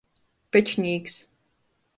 Pečnīks.